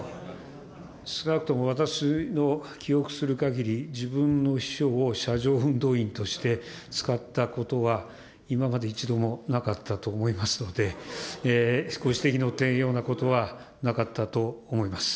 少なくとも私の記憶するかぎり、自分の秘書を車上運動員として、使ったことは今まで一度もなかったと思いますので、ご指摘の点のようなことはなかったと思います。